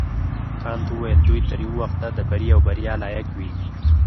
کانت وویل دوی تر یو وخته د بري او بریا لایق وي.